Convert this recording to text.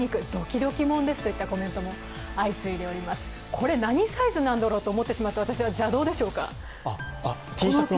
これ何サイズなんだろうと思ってしまった私は邪道でしょぅか？